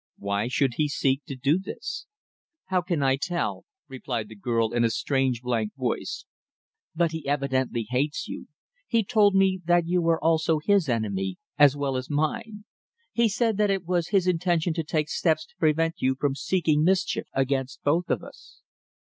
Why should he seek to do this?" "How can I tell?" replied the girl in a strange blank voice. "But he evidently hates you. He told me that you were also his enemy, as well as mine. He said that it was his intention to take steps to prevent you from seeking mischief against both of us."